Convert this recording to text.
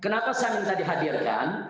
kenapa saya minta dihadirkan